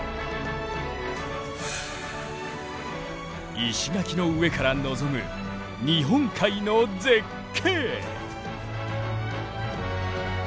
石垣の上から望む日本海の絶景。